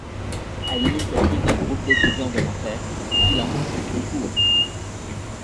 À l’initiative d’un groupe d’étudiants de Nanterre, Silence, on court !